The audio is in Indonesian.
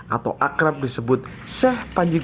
atau akrab disebut sheikh panji gumilang